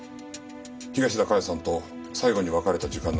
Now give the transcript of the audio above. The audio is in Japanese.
東田加代さんと最後に別れた時間などを。